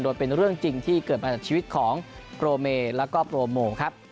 โดยเป็นเรื่องจริงที่เกิดมาจากชีวิตของโปรเมแล้วก็โปรโมครับ